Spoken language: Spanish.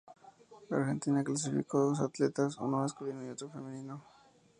Argentina clasificó dos atletas, uno masculino y otro femenino.